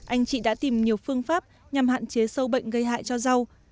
anh chị đã tìm nhiều phương pháp nhằm hạn chế sâu bệnh gây hại cho rau